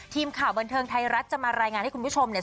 ทีมข่าวบันเทิงไทยรัฐจะมารายงานให้คุณผู้ชมเนี่ย